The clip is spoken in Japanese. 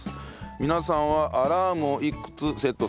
皆さんはアラームをいくつセットされていますか？